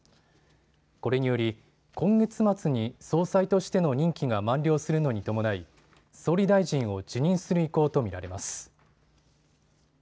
これにより今月末に総裁としての任期が満了するのに伴い総理大臣を辞任する意向と見られます。